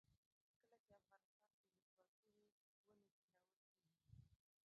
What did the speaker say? کله چې افغانستان کې ولسواکي وي ونې کینول کیږي.